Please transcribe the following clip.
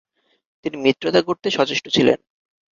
তিনি মিত্রতা গড়তে সচেষ্ট ছিলেন।